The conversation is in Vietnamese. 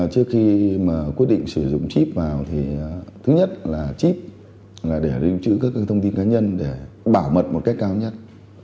trước khi mà quyết định sử dụng chip vào thì thứ nhất là chip là để lưu trữ các thông tin cá nhân để bảo mật một cách cao nhất